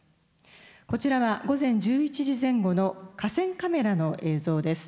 こちらは午前１１時前後の河川カメラの映像です。